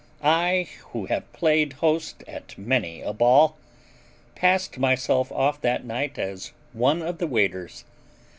"I who have played host at many a ball, passed myself off that night as one of the waiters.